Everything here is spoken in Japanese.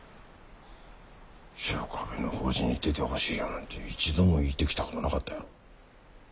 白壁の法事に出てほしいやなんて一度も言うてきたことなかったやろ。